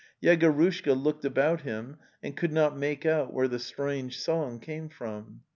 Yego rushka looked about him, and could not make out where the strange song came from.